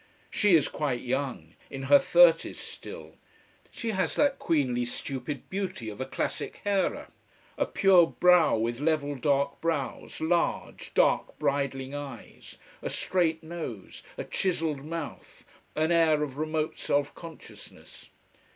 She is quite young, in her thirties still. She has that queenly stupid beauty of a classic Hera: a pure brow with level dark brows, large, dark, bridling eyes, a straight nose, a chiselled mouth, an air of remote self consciousness.